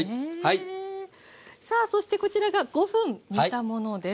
さあそしてこちらが５分煮たものです。